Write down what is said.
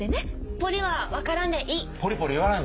ポリは分からんでいい。